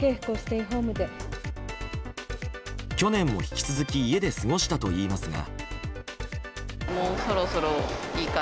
去年も引き続き家で過ごしたといいますが。